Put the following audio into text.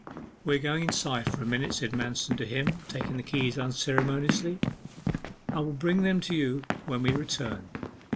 'We are going inside for a minute,' said Manston to him, taking the keys unceremoniously. 'I will bring them to you when we return.